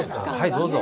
どうぞ。